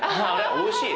おいしい？